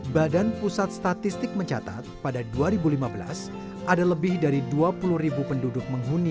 badan pusat statistik mencatat pada dua ribu lima belas ada lebih dari dua puluh ribu penduduk